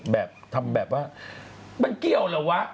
แบบทำแบบว่ามันเกี่ยวเหรอวะ